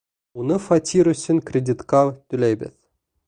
Уны фатир өсөн кредитҡа түләйбеҙ.